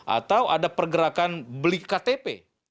atau ada pergerakan beli ktp